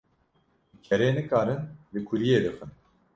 Bi kerê nikarin li kuriyê dixin